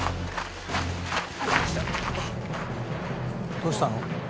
「どうしたの？」